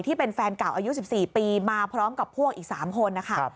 ที่เป็นแฟนเก่าอายุ๑๔ปีมาพร้อมกับพวกอีก๓คนนะคะ